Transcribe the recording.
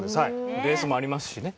ベースもありますしね。